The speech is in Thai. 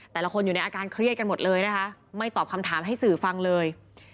แต่ละคนอยู่ในอาการเครียดกันหมดเลยนะคะไม่ตอบคำถามให้สื่อฟังเลย